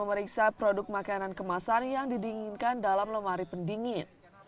memeriksa produk makanan kemasan yang didinginkan dalam lemari pendingin